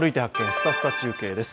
すたすた中継」です。